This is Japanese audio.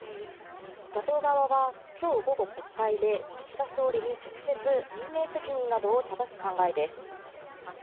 野党側はきょう午後、国会で岸田総理に直接、任命責任などをただす考えです。